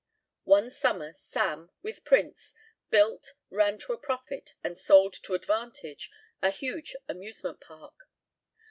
One summer Sam, with Prince, built, ran to a profit, and sold to advantage a huge amusement park.